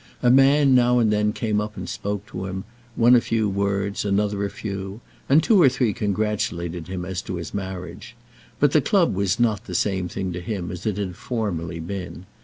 A man now and then came up and spoke to him, one a few words, and another a few, and two or three congratulated him as to his marriage; but the club was not the same thing to him as it had formerly been.